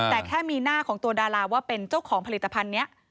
แต่แค่มีหน้าของตัวดาราว่าเป็นเจ้าของผลิตภัณฑ์นี้